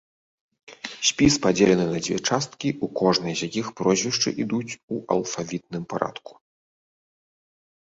Спіс падзелены на две часткі, у кожнай з якіх прозвішчы ідуць у алфавітным парадку.